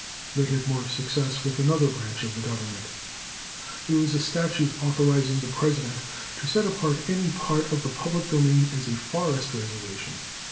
They had more success with another branch of the Government. There was a statute authorizing the President to set apart any part of the public domain as a forest reservation.